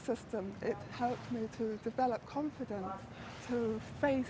itu membantu saya membangun kepercayaan